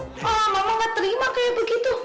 alamak ma gak terima kayak begitu